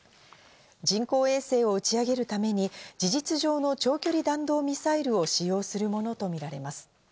人工衛星を打ち上げるために、事実上の長距離弾道ミサイルを使用するものとみられます。